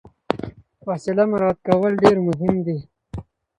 فاصله مراعات کول ډیر مهم دي.